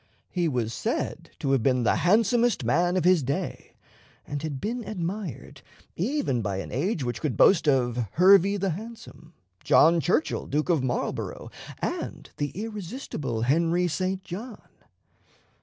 He was said to have been the handsomest man of his day, and had been admired even by an age which could boast of "Hervey the Handsome," John Churchill, Duke of Marlborough, and the irresistible Henry St. John.